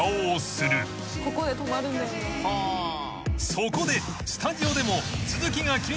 ［そこでスタジオでも］